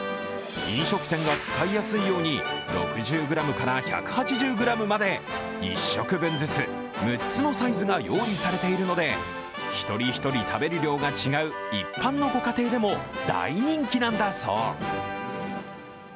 飲食店が使いやすいように６０ｇから１８０ｇまで１食分ずつ６つのサイズで用意されているので一人一人一人一人食べる量が違う一般のご家庭でも大人気なんだそう。